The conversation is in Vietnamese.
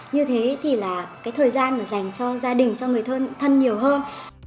như thế thì là thời gian dành cho gia đình cho người thân nhiều hơn